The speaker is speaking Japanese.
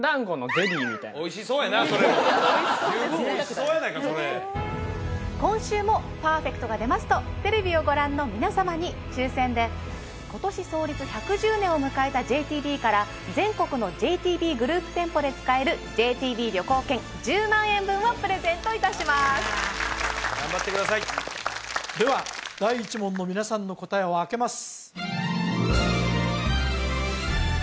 おいしそうやなそれ十分おいしそうやないかそれ今週もパーフェクトが出ますとテレビをご覧の皆様に抽選で今年創立１１０年を迎えたＪＴＢから全国のＪＴＢグループ店舗で使えるＪＴＢ旅行券１０万円分をプレゼントいたします頑張ってくださいでは第１問の皆さんの答えをあけます